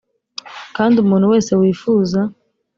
kandi umuntu wese wifuza